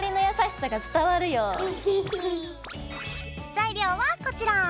材料はこちら！